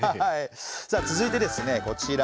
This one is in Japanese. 続いてですねこちら。